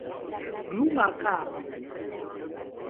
glumarkaro